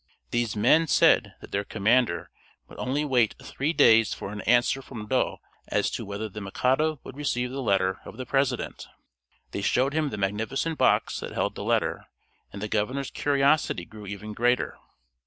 These men said that their commander would only wait three days for an answer from Yedo as to whether the Mikado would receive the letter of the President. They showed him the magnificent box that held the letter, and the governor's curiosity grew even greater.